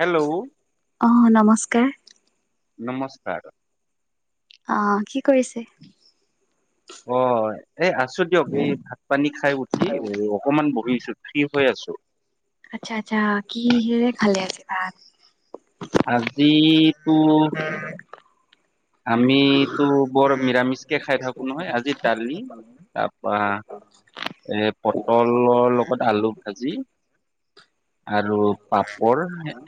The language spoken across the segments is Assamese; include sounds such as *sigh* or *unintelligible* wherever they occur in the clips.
হেল্ল' অ নমস্কাৰ নমস্কাৰ অ কি কৰিছে অ এই আছো দিয়ক এই ভাত পানী খাই উঠি অকমান বহিছো উঠি হৈ আছো আচ্ছা আচ্ছা কিহেৰে খালে আজি ভাত আজি তো *inaudible* *inaudible* আমিতো বৰ মৰামিচকে খাই থাকো নহয় আজি দালি তাৰপা *inaudible* *inaudible* এ পটলৰ লগত আলু ভাজি। উ *inaudible* আৰু পাপৰ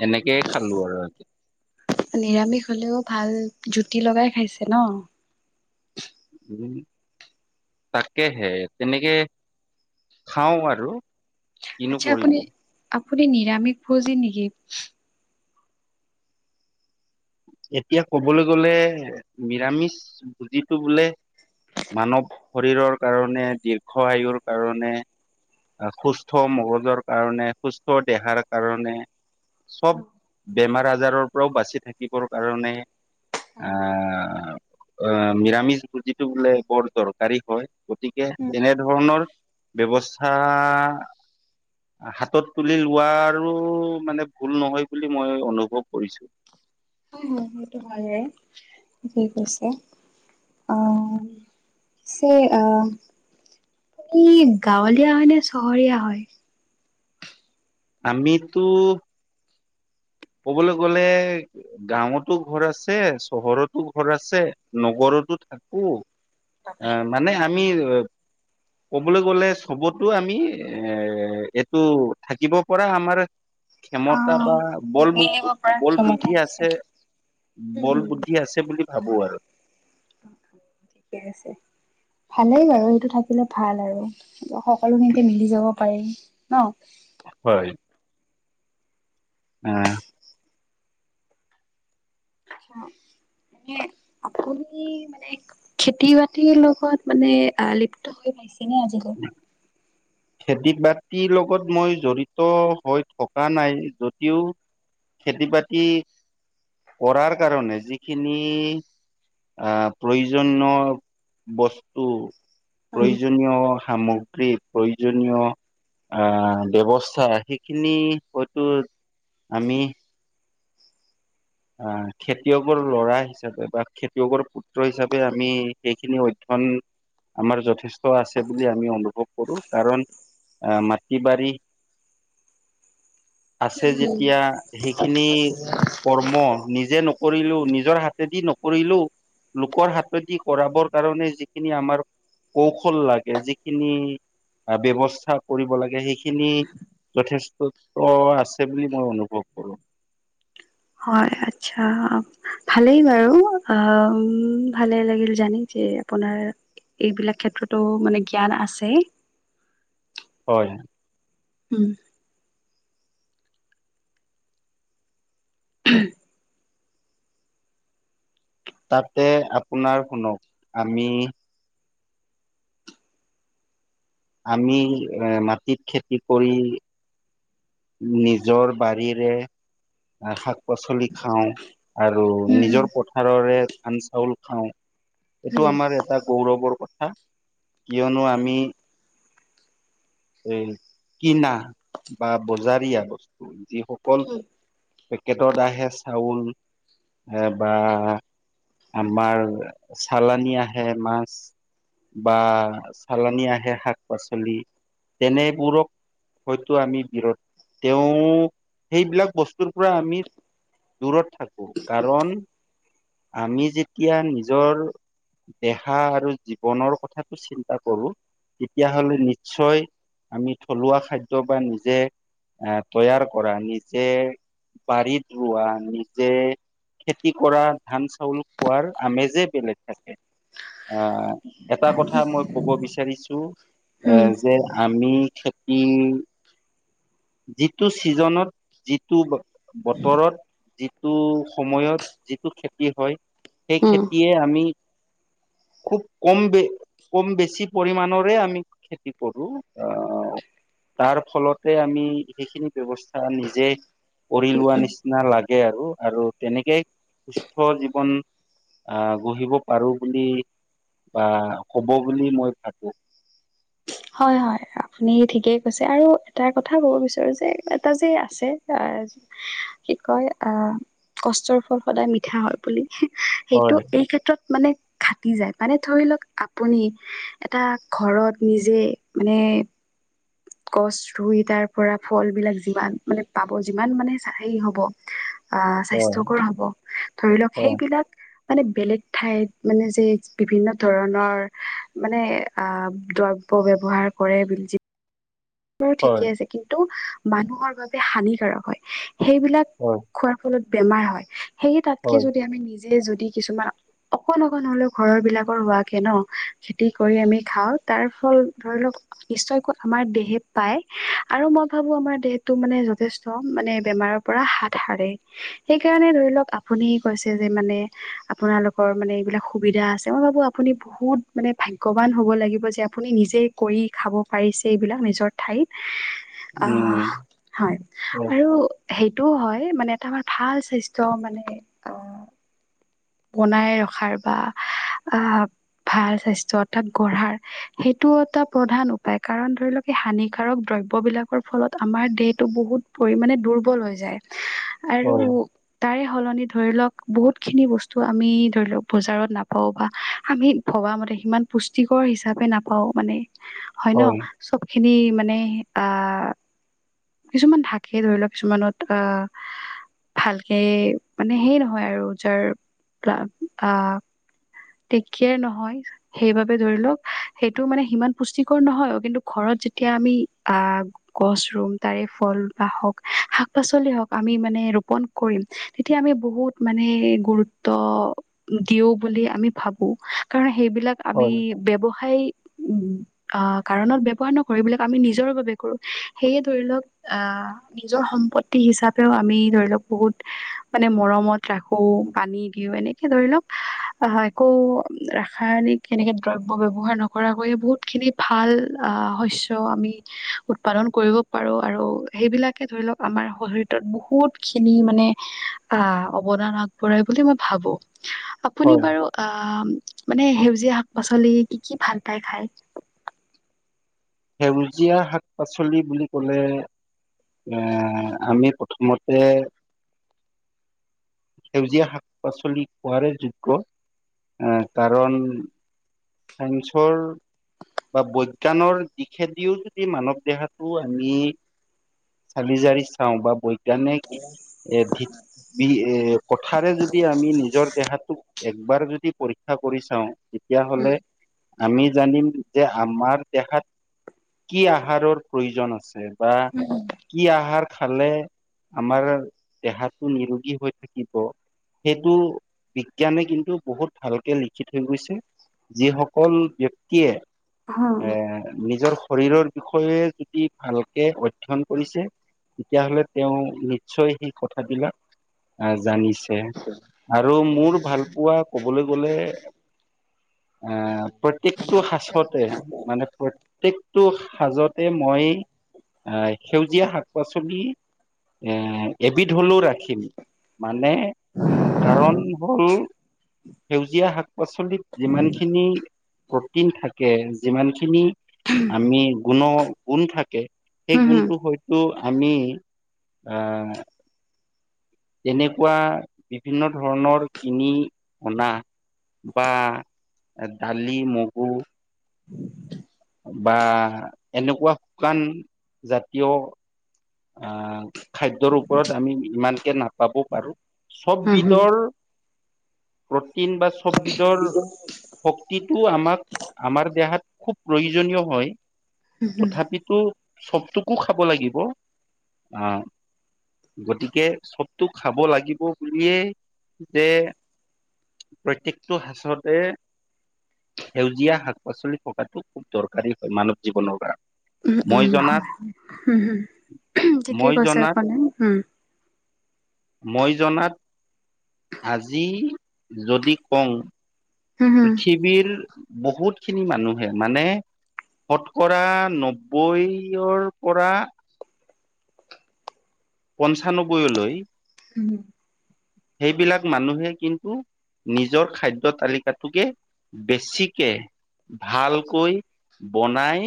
এনেকেই খালো আৰু আজি। নিৰামিষ হলেও ভাল। জুতি লগাই খাইছে ন। উম। তাকেহে তেনেকে খাওঁ আৰু। কিনো আচ্ছা কৰিব। আপুনি আপুনি নিৰামিষ ভূজি নেকি? এতিয়া কবলৈ গলে নিৰামিষ বুজিটো বোলে মানৱ শৰীৰৰ কাৰণে দীৰ্ঘ আয়ুৰ কাৰণে সুস্থ মগজৰ কাৰণে সুস্থ দেহাৰ কাৰণে চব বেমাৰ আজাৰৰ পৰাও বাচি থাকিবৰ কাৰণে আহ আহ নিৰামিষ ভোজিটো বোলে বৰ দৰকাৰী হয়। গতিকে উম তেনেধৰণৰ ব্যৱস্থা হাতত তুলি লোৱা আৰু মানে ভুল নহয় বুলি মই অনুভৱ কৰিছো। উ সেইটো হয় ঠিকেই কৈছা। আহ স আহ আপুনি গাঁৱলীয়া হয় নে চহৰীয়া হয়? আমিতো *inaudible* ক'বলৈ গ'লে গাঁৱতো ঘৰ আছে, চহৰতো ঘৰ আছে, নগৰতো থাকো এ মানে আমি ক'বলৈ গলে চবতো আমি এ এইটো থাকিব পৰা আমাৰ অ ক্ষমতা বা বল মিলিব পৰা বল ক্ষমতা বুদ্ধি আছে। বল বুদ্ধি আছে বুলি ভাবো আৰু। ঠিকে আছে ভালেই বাৰু এইটো থাকিলে ভাল আৰু। সকলোখিনিতে মিলি যাব পাৰি ন? হয়। আ মে *unintelligible* আপুনি মানে খেতি বাতিৰ লগত মানে আ লিপ্ত হৈ পাইছে এনে আজি লই খেতি বাতিৰ লগত মই জড়িত হৈ থকা নাই যদিও খেতি বাতি কৰাৰ কাৰণে যিখিনি আহ প্ৰয়োজনীয় বস্তু উম। প্ৰয়োজনীয় সামগ্ৰী প্ৰয়োজনীয় আহ ব্যৱস্থা সেইখিনি হয়তো আমি আহ খেতিয়কৰ লৰা হিচাপে বা খেতিয়কৰ পুত্ৰ হিচাপে আমি সেইখিনি অধ্য ন আমাৰ যথেষ্ট আছে বুলি আমি অনুভৱ কৰো কাৰণ আহ মাটি বাৰী *inaudible* *inaudible* আছে যেতিয়া সেইখিনি কৰ অ নিজে নকৰিলো নিজৰ হাতেদি নকৰিলো লোকৰ হাতদি কৰাবৰ কাৰণে যিখিনি আমাৰ কৌশল লাগে যিখিনি ব্যবস্থা কৰিব লাগে সেইখিনি যথেষ্ট আছে বুলি মই অনুভৱ কৰোঁ। হয় আচ্ছা ভালেই বাৰু উ ভালে লাগিল জানি যে আপোনাৰ এইবিলাক ক্ষেত্ৰতো মানে জ্ঞান আছে। হয়। উম *unintelligible* *unintelligible* তাতে আপোনাৰ শুনক, আমি আমি এ মাটিত খেতি কৰি। নিজৰ বাৰীৰে শাক-পাচলি খাওঁ। আৰু উম নিজৰ পথাৰৰে ধান চাউল খাওঁ এইটো আমাৰ এটা গৌৰৱৰ কথা কিয়নো আমি এই কিনা বা বজাৰীয়া বস্তু যিসকল পেকেটত আহে চাউল এ বা আমাৰ চালানী আহে মাছ বা চালানী আহে শাক পাচলি তেনেবোৰক হয়তো আমি বিৰত তেওঁ সেইবিলাক বস্তুৰ পৰা আমি দূৰত থাকো কাৰণ আমি যেতিয়া নিজৰ দেহা আৰু জীৱনৰ কথাতটো চিন্তা কৰো তেতিয়া হ'লে নি নিশ্চয় আমি থলুৱা খাদ্য বা নিজে আহ তৈয়াৰ কৰা নিজে বাৰত ৰোৱো নিজে খেতি কৰা ধান চাউল খোৱাৰ আমেজে বেলেগ থাকে। আহ এটা কথা মই ক'ব বিচাৰিছো এ উম যে আমি খেতি যিটো ছিজনত যিটো বতৰত যিটো সময়ত যিটো খেতি হয়। সেই উম খেতিয়ে আমি খুব কম ব কম বেছি পৰিমণৰে আমি খেতি কৰো আহ তাৰ ফলতে আমি সেইখিনি ব্যৱস্থা নিজে কৰি লোৱা নিচিনা লাগে আৰু আৰু তেনেকেই সুস্থ জীৱন আহ গঢ়িব পাৰো বুলি বা ক'ব বুলি মই ভাবো হয় হয় আপুনি ঠিকেই কৈছে আৰু এটা কথা ক'ব বিচাৰো যে এটা যে আছে কি কয় আহ কষ্টৰ ফল সদায় মিঠা হয় বুলি সেইটো হয় এই ক্ষেত্ৰত মানে খাটি যায় মানে ধৰি লওক আপুনি এটা ঘৰত নি যে মানে গছ ৰুই তাৰ পৰা ফলবিলাক যিমান মানে পাব যিমান মানে হেৰি হ'ব। আহ হয় স্বাস্থ্যকৰ হব ধৰি লওক হয় সেইবিলাক মানে বেলেগ ঠাইত মানে যে বিভিন্ন ধৰণৰ মানে আহ দ *unintelligible* কৰে *unintelligible* বাৰ হয় ঠিকে আছে কিন্তু মানুহৰ বাবে হানিকাৰক হয়। সেইবিলাক হয় খোৱাৰ ফলত বেমাৰ হয় সেয়ে তাতকে হয় যদি আমি নি যে যদি কিছুমান অকণ অকণ হলেও ঘৰৰ বিলাকৰ হোৱাকে ন খেতি কৰি আমি খাওঁ তাৰ ফল ধৰি লওক নিশ্চয়কৈ আমাৰ দেহত পাই আৰু মই ভাবো আমাৰ দেহটো মানে যথেষ্ট মানে বেমাৰৰ পৰা হাত সাৰে সেইকাৰণে ধৰি লওক আপুনি কৈছে যে মানে আপোনালোকৰ মানে এইবিলাক সুবিধা আছে মই ভাবো আপুনি বহুত মানে ভাগ্যৱান হ'ব লাগিব যে আপুনি নিজেই কৰি খাব পাৰিছে এইবিলাক নিজৰ ঠাইত, উম আহ, হয় হয় আৰু এইটো হয় মানে এটা আমাৰ ভাল স্বাস্থ্য মানে আহ বনাই ৰখাৰ বা আহ ভাল স্বাস্থ্য অথা গঢ়াৰ সেইটো এটা প্ৰধান উপায় কাৰণ ধৰি লওক এই হানিকাৰক দ্ৰব্যবিলাকৰ ফলত আমাৰ দেহটো বহুত পৰিমাণে দুৰ্বল হৈ যায় হয় আৰু তাৰে সলনি ধৰি লওক বহুত খিনি বস্তু তো আমি ধৰি লওক বজাৰত নাপাওঁ বা আমি ভবামতে সিমান পুষ্টিকৰ হিচাপে নাপাওঁ মানে হয় ন চব খিনি মানে আহ কিছুমান শাকে ধৰি লওক কিছুমানত আহ ভালকে মানে সেই নহয় আৰু যাৰ আহ তেক কেয়াৰ নহয় সেইবাবে ধৰি লওক সেইটো মানে সিমান পুষ্টিকৰ নহয় কিন্তু ঘৰত যেতিয়া আমি আ গছ ৰুম তাৰে ফল বা হওঁক শাক পাচলি হওঁক আমি মানে নে ৰুপণ কৰিম। তেতিয়া আমি বহুত মানে গুৰুত্ব দিওঁ বুলি আমি ভাবো কাৰণ সেইবিলাক আমি হয় ব্যৱসায় উম আ কাৰণত ব্যৱহাৰ নকৰে এইবিলাক আমি নিজৰ বাবে কৰোঁ সেয়ে ধৰি লওক আহ আ নিজৰ সম্পত্তি হিচাপেও আমি ধৰি লওক বহুত মানে মৰমত ৰাখোঁ পানী দিওঁ এনেকে ধৰি লওক হয় আকৌ ৰাসায়নিক এনেকে দ্ৰব্য ব্যৱহাৰ নকৰাকৈয়ে বহুত খিনি ভাল আহ শস্য শস্য আমি উৎপাদন কৰিব পাৰোঁ আৰু সেইবিলাকে ধৰি লওক আমাৰ শৰীৰত বহুত খিনি মানে আ অৱদান আগবঢ়াই বুলি মই ভাবো আপুনি হয় বাৰু আহ মানে সেউজীয়া শাক পাচলি কি কি ভাল পায় খাই সেউজীয়া শাক পাচলি বুলি ক'লে এ আমি প্ৰথমতে সেউজীয়া শাক পাচলি কোৱাৰে যোগ্য আ কাৰণ সঞ্চাৰ বা বৈজ্ঞানৰ দিশেদিও যদি মানৱ দেহাটো আমি চালি জাৰি চাওঁ বা বৈজ্ঞানিক এ বি এ কথাৰে যদি আমি নিজৰ দেহাটোক একবাৰ যদি পৰীক্ষা কৰি চাওঁ উম তেতিয়াহ'লে আমি জানিম যে আমাৰ দেহাত কি আহাৰৰ প্ৰয়োজন আছে বা কি আহাৰ খালে আমাৰ দেহাটো নিৰোগী হৈ থাকিব। সেইটো বিজ্ঞানে কিন্তু বহুত ভালকে লিখি থৈ গৈছে। যিসকল ব্যক্তিয়ে হুম এ নিজৰ শৰীৰৰ বিষয়ে যদি ভালকে অধ্যয়ন কৰিছে তেতিয়াহ'লে তেওঁ নিশ্চয় সেই কথাবিলাক আহ জানিছে ছে আৰু মোৰ ভাল পোৱা ক'বলৈ গ'লে আহ প্ৰত্যেকটো সাচতে মানে প্ৰত্যেকটো সাজতে মই আহ সেউজীয়া শাক পাচলি এ এবিধ হ'লেও ৰাখিম মানে কাৰণ হ'ল সেউজীয়া শাক পাচলিত যিমান প্ৰ'টিন থাকে। যিমান খিনি আমি গুণ গুণ থাকে সেই হুম হুম গুণটো হয়তো আমি আহ তেনেকুৱা বিভিন্ন ধৰণৰ কিনি অনা বা দালি মগু বা এনেকুৱা শুকান জাতীয় আহ খাদ্যৰ ওপৰত আমি ইমানকে নাপাবও পাৰোঁ চব হুম হুম বিধৰ প্ৰ'টিন বা চব বিধৰ শক্তিটো আমাক আমাৰ দেহাত খুব প্ৰয়োজনীয় হয় হুম হুম তথাপিতো চবটোকো খাব লাগিব অহ গতিকে চবটো খাব লাগিব বুলিয়েই যে প্ৰত্যেকটো সাঁচতে সেউজীয়া শাক পাচলি থকাটো খুব দৰকাৰী হয় মানৱ জীৱনৰ কাৰণে উম মই উম হোম জনাত হোম, উমহ ঠিকেই মই কৈছে জনাত আপুনি উম মই জনাত আজি যদি কঙ হুম পৃথিৱীৰ বহুত খিনি মানুহে মানে শতকৰা নব্বৈঅৰ পৰা পঞ্চান্নব্বৈ অলৈ *inaudible* *inaudible* সেইবিলাক মানুহে কিন্তু নিজৰ খাদ্য তালিকাটোকে বেছিকে ভালকৈ বনাই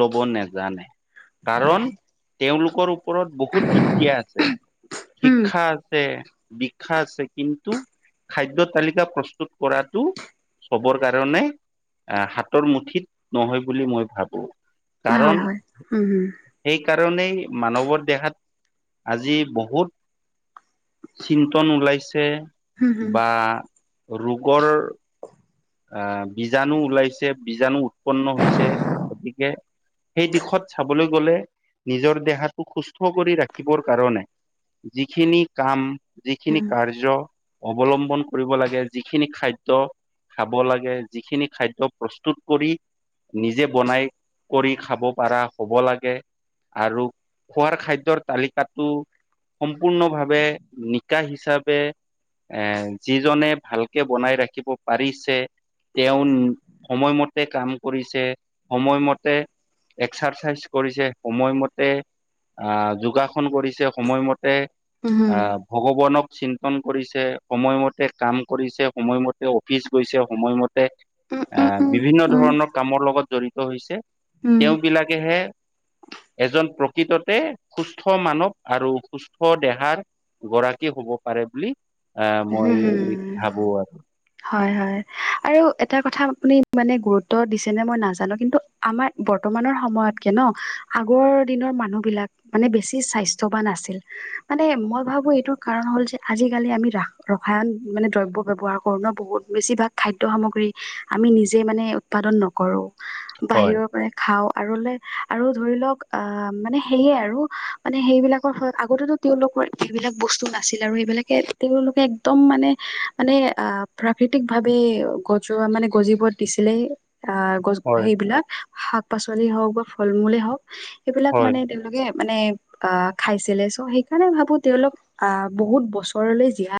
লব নেজানে কাৰণ তেওঁলোকৰ ওপৰত বহুত *unintelligible* আছে উম শিক্ষা আছে দীক্ষা আছে কিন্তু খাদ্য তালিকা প্ৰস্তুত কৰাটো চবৰ কাৰণে আ হাতৰ মুঠিত নহয় বুলি মই ভাবো কাৰণ হয় হয় উম, হম। সেইকাৰণেই মানৱৰ দেহাত আজি বহুত চিন্তন ওলাইছে। হুম বা ৰোগৰ আ বীজাণু ওলাইছে বীজাণু উৎপন্ন হৈছে। গতিকে সেই দিশত চাবলৈ গলে নিজৰ দেহাটো সুস্থ কৰি ৰাখিবৰ কাৰণে যিখিনি কাম যিখিনি হুম কাৰ্য অৱলম্বন কৰিব লাগে যিখিনি খাদ্য খাব লাগে যিখিনি খাদ্যয প্ৰস্তুত কৰি নিজে বনাই কৰি খাব পাৰা হ'ব লাগে। আৰু খোৱাৰ খাদ্যৰ তালিকাটো সম্পূৰ্ণভাৱে নিকা হিচাপে এ যিজনে ভালকে বনাই ৰাখিব পাৰিছে তেওঁ সময়মতে কাম কৰিছে সময়মতে এক্সাৰচাইজ কৰিছে সময়মতে আ যোগাসন কৰিছে সময়মতে উম আ উম ভগৱানক চিন্তন কৰিছে সময়মতে কাম কৰিছে সময়মতে অ পিচ গৈছে সময়মতে উম, আ উম, উম, বিভিন্ন উম, ধৰণৰ কামৰ লগত জড়িত হৈছে। উম। তেওঁ বিলাকেহে *inaudible* *inaudible* এজন প্ৰকৃততে সুস্থ মানৱ আৰু সুস্থ দেহাৰ গৰাকী হব পাৰে বুলি আ মই উম, ভাবো আৰু। হয় হয় আৰু এটা কথা আপুনি মানে গুৰুত্ব দিছে নে মই নাজানো কিন্তু আমাৰ বৰ্তমানৰ সময় ময়তকে ন আগৰ দিনৰ মানু্হ বিলাক মানে বেছি স্বাস্থ্যবান আছিল, মানে ম মই ভাবো এইটোৰ কাৰণ হ'ল যে আজিকালি আমি ৰাস ৰসায়ন মানে দ্ৰব্য ব্যৱহাৰ কৰোঁ ন বহুত বেছিভাগ খাদ্য সামগ্ৰী আমি নিজে মানে উৎপাদ দন নকৰো হয় বাহিৰৰ পৰা খাওঁ। আৰু লে আৰু ধৰি লওক আ মানে সেয়ে আৰু মানে সেইবিলাকৰ ফলত আগতেতো তেওঁলোক লোকৰ এইবিলাক বস্তু নাছিল আৰু এইবিলাকে তেওঁলোক একদম মানে - মানে আ প্ৰাকৃতিক ভাৱে গজোৱা মানে গজিত দিছিলে। আ গছ সেইবিলাক শাক পাচলি হওক বা ফল মূলে হওক। সেইবিলাক মানে তেওঁলোকে মানে আ খাইছিলে চ' সেইকাৰণে ভাবো তেওঁলোক আ বহুত বছৰলৈ জীয়াই